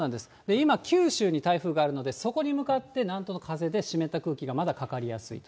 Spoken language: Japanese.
今、九州に台風があるので、そこに向かって南東の風で、湿った空気がまだかかりやすい。